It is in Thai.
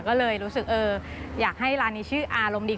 ก็เลยรู้สึกอยากให้ร้านนี้ชื่ออารมณ์ดี